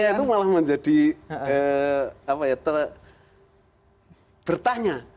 saya itu malah menjadi bertanya